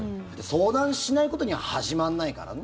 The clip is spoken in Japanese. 相談しないことには始まらないからね。